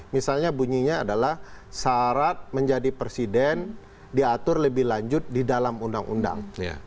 misalnya bunyinya adalah syarat menjadi presiden diatur lebih lanjut di dalam undang undang